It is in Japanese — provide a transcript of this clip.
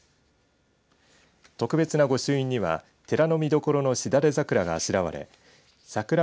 特別な御朱印には寺の見どころのしだれ桜があしらわれさくら